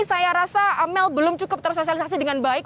saya rasa amel belum cukup tersosialisasi dengan baik